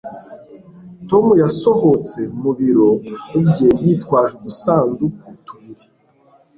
Tom yasohotse mu biro bye yitwaje udusanduku tubiri